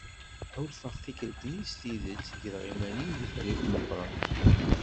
Ḥulfaɣ tikkelt-nni s tidet greɣ iman-iw di taluft meqqren.